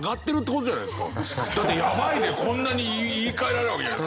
だって「やばい」でこんなに言い換えられるわけじゃない。